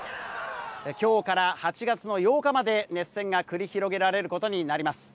今日から８月の８日まで熱戦が繰り広げられることになります。